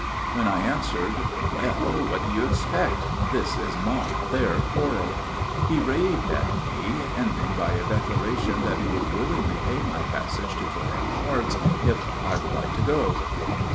When I answered, "Well, what do you expect? This is not their quarrel," he raved at me, ending by a declaration that he would willingly pay my passage to foreign parts if I would like to go.